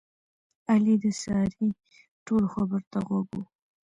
علي د سارې ټولو خبرو ته غوږ و.